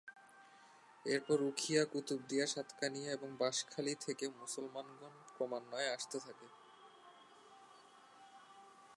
এরপর উখিয়া, কুতুবদিয়া, সাতকানিয়া এবং বাঁশখালী থেকে মুসলমানগণ ক্রমান্বয়ে আসতে থাকে।